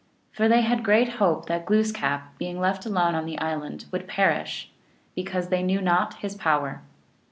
For they had great hope that Glooskap, being left alone on the island, would perish, because they knew not his power.